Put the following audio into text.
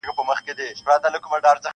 څارنوال ویله پلاره در جارېږم-